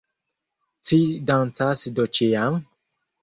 Ci dancas do ĉiam?